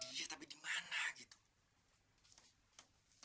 iya tapi dimana gitu